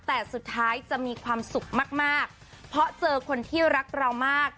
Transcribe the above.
แต่สุดท้ายจะมีความสุขมากมากเพราะเจอคนที่รักเรามาก